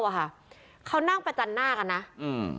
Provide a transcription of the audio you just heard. วงเล่าอ่ะค่ะเขานั่งไปจันทร์หน้ากันนะอืม